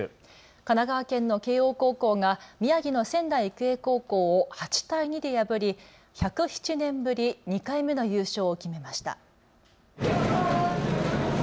神奈川県の慶応高校が宮城の仙台育英高校を８対２で破り、１０７年ぶり２回目の優勝を決めました。